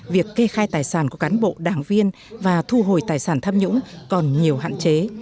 việc kê khai tài sản của cán bộ đảng viên và thu hồi tài sản tham nhũng còn nhiều hạn chế